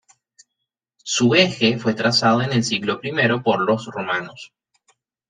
Su eje fue trazado en el siglo I por los romanos.